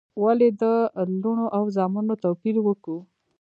ولي د لوڼو او زامنو توپیر وکو؟